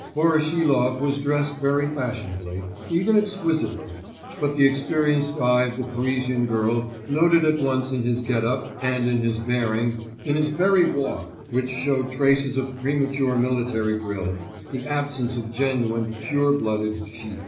Voroshilov was dressed very fashionably, even exquisitely, but the experienced eye of the Parisian girl noted at once in his get up and in his bearing, in his very walk, which showed traces of premature military drill, the absence of genuine, pure blooded 'chic.